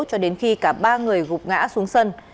cho đến khi cả ba người gục ngã xuống sân